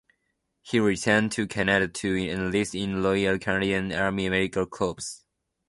He returned to Canada to enlist in the Royal Canadian Army Medical Corps.